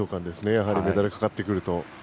やはりメダルがかかってくると。